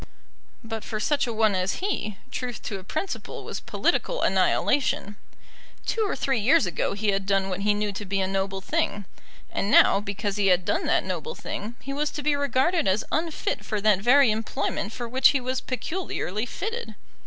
But for such a one as he, truth to a principle was political annihilation. Two or three years ago he had done what he knew to be a noble thing; and now, because he had done that noble thing, he was to be regarded as unfit for that very employment for which he was peculiarly fitted.